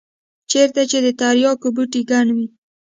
چېرته چې د ترياکو بوټي گڼ وي.